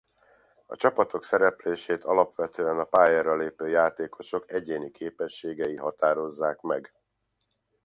A csaptok szereplését alapvetően a pályára lépő játékosok egyéni képességei határozzák meg.